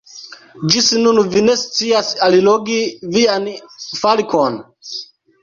Ĝis nun vi ne scias allogi vian falkon?